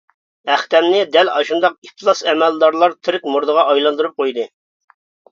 ئەختەمنى دەل ئاشۇنداق ئىپلاس ئەمەلدارلار تىرىك مۇردىغا ئايلاندۇرۇپ قويدى!